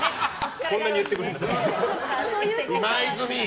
こんなに言ってくれるんだったら。